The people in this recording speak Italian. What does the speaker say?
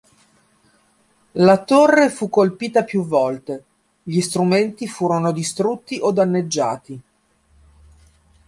La torre fu colpita più volte, gli strumenti furono distrutti o danneggiati.